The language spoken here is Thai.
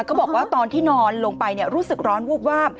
บอกว่าตอนที่นอนลงไปรู้สึกร้อนวูบวาบ